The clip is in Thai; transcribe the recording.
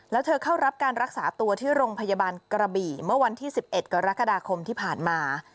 แล้วเธอเข้ารับการรักษาตัวที่โรงพยาบาลกระบี่เมื่อวันที่๑๑กรกฎาคมที่ผ่านมา